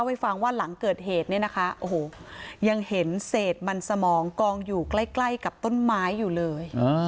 ให้ฟังว่าหลังเกิดเหตุเนี่ยนะคะโอ้โหยังเห็นเศษมันสมองกองอยู่ใกล้ใกล้กับต้นไม้อยู่เลย